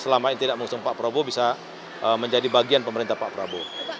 selama ini tidak mengusung pak prabowo bisa menjadi bagian pemerintah pak prabowo